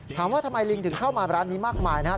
ถามว่าทำไมลิงถึงเข้ามาร้านนี้มากมายนะครับ